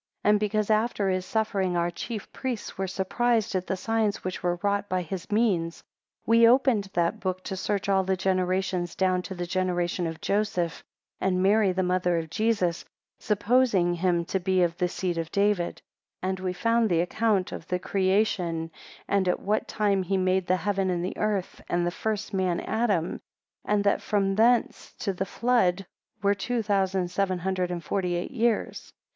15 And because after his suffering, our chief priests were surprised at the signs which were wrought by his means, we opened that book to search all the generations down to the generation of Joseph and Mary the mother of Jesus, supposing him to be of the seed of David; 16 And we found the account of the creation, and at what time he made the heaven and the earth, and the first man Adam, and that from thence to the flood, were two thousand seven hundred and forty eight years.